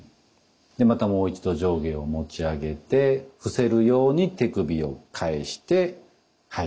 でまたもう一度上下を持ち上げて伏せるように手首を返してはい。